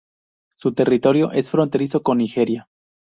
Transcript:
Su territorio es fronterizo con Nigeria.